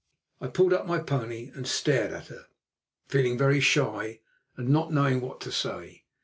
I pulled up my pony and stared at her, feeling very shy and not knowing what to say.